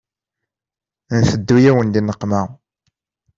Nteddu-yawen di nneqma.